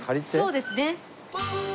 そうですね。